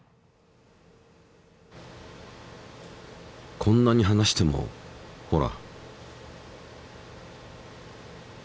こんなに離してもほら。